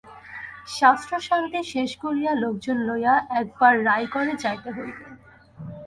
শ্রাদ্ধশান্তি শেষ করিয়া লোকজন লইয়া একবার রায়গড়ে যাইতে হইবে।